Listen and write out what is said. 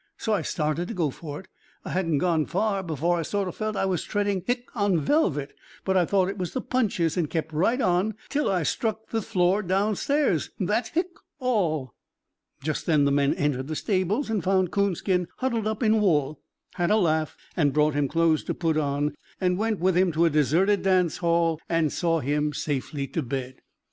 So I started to go for it. I hadn't gone far before I sort o' felt I was treading hic on velvet, but I thought it was the punches and kept right on, till I struck the floor downstairs. That hic 's all." Just then the men entered the stables and finding Coonskin huddled up in wool, had a laugh, and brought him clothes to put on, and went with him to the deserted dance hall, and saw him safely to bed.